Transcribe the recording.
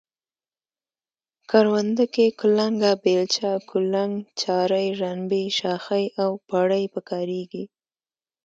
کرونده کې کلنگه، بیلچه، کولنگ، چارۍ، رنبی، شاخۍ او پړی په کاریږي.